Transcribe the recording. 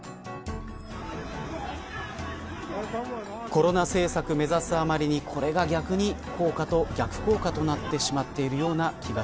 コロナ政策目指すあまりにこれが逆効果となってしまっているような気が